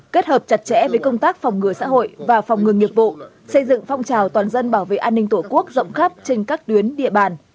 kết hợp chặt chẽ với công tác phòng ngừa xã hội và phòng ngừa nghiệp vụ xây dựng phong trào toàn dân bảo vệ an ninh tổ quốc rộng khắp trên các tuyến địa bàn